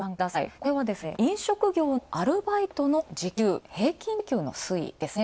これは飲食業のアルバイトの時給、平均時給の推移ですね。